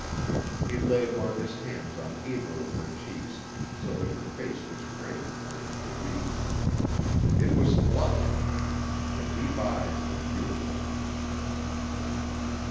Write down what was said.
He laid one of his hands on either of her cheeks so that her face was framed for him to read. It was flushed; the deep eyes were beautiful.